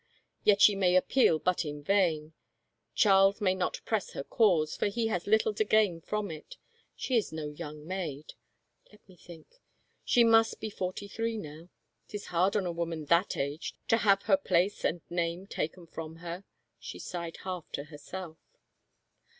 " Yet she may appeal but in vain. Charles may not press her cause, for he has little to gain from it She is no young maid. Let me think — she must be forty three now. 'Tis hard on a woman that age to have her place and name taken from her," she sighed half to herself.